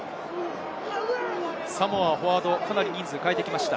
サモアはフォワード、かなり人数を代えてきました。